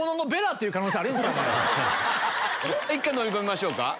１回のみ込みましょうか。